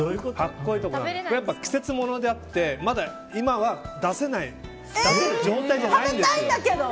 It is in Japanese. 季節ものであって、今はまだ出せる状態じゃないんですよ。